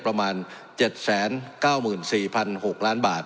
ประมาณ๗๙๔๖ล้านบาท